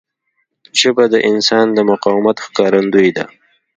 ژبه د انسان د مقام ښکارندوی ده